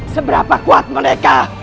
seberapa kuat mereka